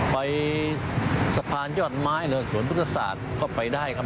ไปสะพานยอดไม้เลยสวนพุทธศาสตร์ก็ไปได้ครับ